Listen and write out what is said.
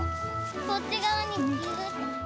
こっち側にぎゅーっと。